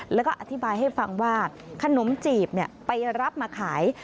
แล้วก็อธิบายให้ฟังว่าขนมจีบไปรับมาขาย